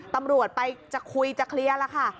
ตำรวจไปจะคุยจะเคลียร์แล้วค่ะ